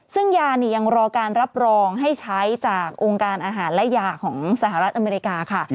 ซึ่งยายังรอการรับรองให้ใช้จากองค์การอาหารและยาของสหรัฐอเมริกาค่ะ